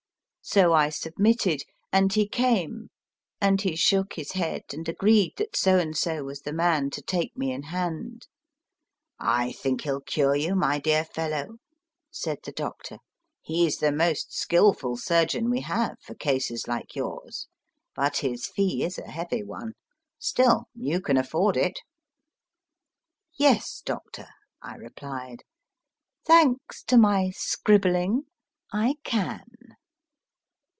So I submitted, and he came, and he shook his head and agreed that so and so was the man to take me in hand. I think he ll cure you, my dear fellow/ said the doctor ; he s the most skilful surgeon we have for cases like yours, but^his fee is a heavy one. Still, you can afford it. Yes, doctor/ I replied, thanks to my scribbling, I can.